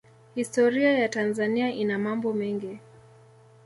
Historia ya Tanzania ina mambo mengi